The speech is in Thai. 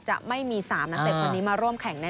จะไม่มี๓นักเตะคนนี้มาร่วมแข่งแน่